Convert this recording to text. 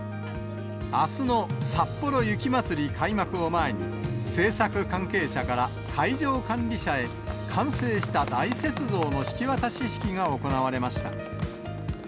あすのさっぽろ雪まつり開幕を前に、制作関係者から会場管理者へ、完成した大雪像の引き渡し式が行われました。